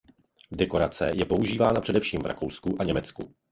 Dekorace je používána především v Rakousku a Německu.